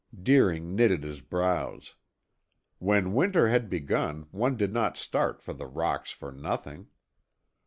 Deering knitted his brows. When winter had begun one did not start for the rocks for nothing.